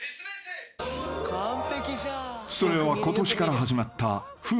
［それはことしから始まった］